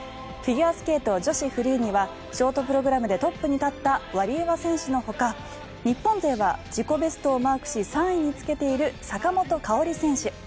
フィギュアスケート女子フリーにはショートプログラムでトップに立ったワリエワ選手のほか日本勢は自己ベストをマークし３位につけている坂本花織選手